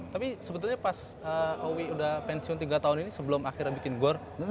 tapi sebetulnya pas owi udah pensiun tiga tahun ini sebelum akhirnya bikin gor